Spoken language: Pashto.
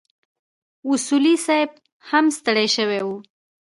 اصولي صیب هم ستړی شوی و.